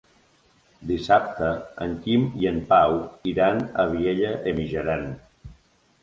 Dissabte en Quim i en Pau iran a Vielha e Mijaran.